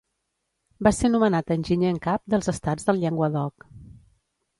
Va ser nomenat enginyer en cap dels estats del Llenguadoc.